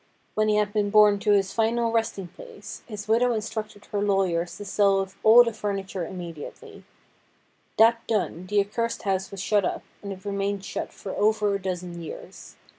When he had been borne to his final resting place, his widow instructed her lawyers to sell off all the furniture immediately. That done, the accursed house was shut up, and it remained shut for over a dozen years.